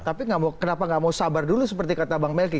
tapi kenapa nggak mau sabar dulu seperti kata bang melki